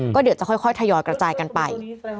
ก็เดี๋ยวจะค่อยทยอยกระจายกันไป